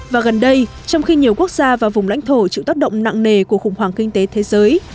và gần đây trong khi nhiều quốc gia và vùng lãnh thổ chịu tác động nặng nề của khủng hoảng kinh tế thế giới